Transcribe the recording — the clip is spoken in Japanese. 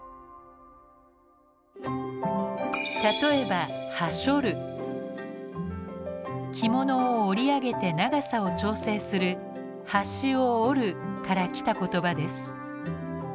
例えば着物を折り上げて長さを調整する「端を折る」から来た言葉です。